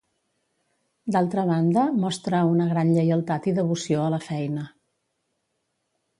D'altra banda, mostra una gran lleialtat i devoció a la feina.